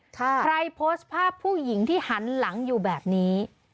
ใครโพสต์ภาพผู้หญิงที่หันหลังอยู่แบบนี้